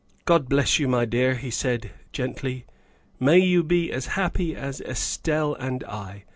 " God bless you, my dear," he said gently. " May you be as happy as Estelle and I.